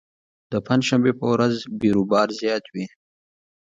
د پنجشنبې په ورځ بېروبار زیات وي.